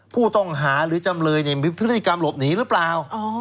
ผู้ต้องหาหรือจำเลยมีพฤติกรรมหลบหนีหรือเปล่า